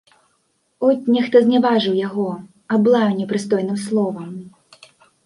От, нехта зняважыў яго, аблаяў непрыстойным словам.